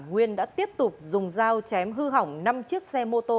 nguyên đã tiếp tục dùng dao chém hư hỏng năm chiếc xe mô tô